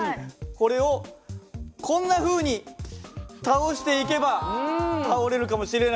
これをこんなふうに倒していけば倒れるかもしれないですよね。